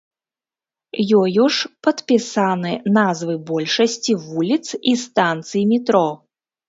Ёю ж падпісаны назвы большасці вуліц і станцый метро.